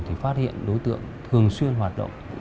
thì phát hiện đối tượng thường xuyên hoạt động